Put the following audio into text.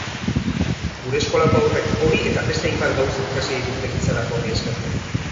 Gure eskolako haurrek hori eta beste hainbat gauza ikasi dituzte gizarajo horri esker.